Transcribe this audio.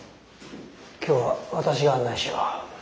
今日は私が案内しよう。